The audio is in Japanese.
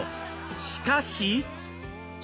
しかし。